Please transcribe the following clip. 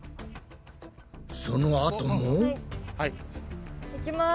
そのあとも。いきます。